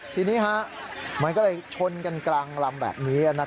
ทีนี้มันก็เลยชนกันกลางลำแบบนี้